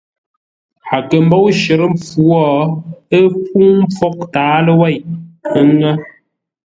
A kə̂ mbóu shərə́ mpfu wo, ə́ fúŋ mpfǒghʼ tǎaló wêi, ə́ ŋə́.